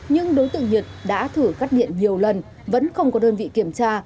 nhưng đối tượng nhật đã thử cắt điện nhiều lần vẫn không có đơn vị kiểm tra